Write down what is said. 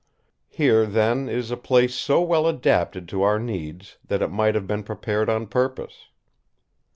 Here, then, is a place so well adapted to our needs that it might have been prepared on purpose.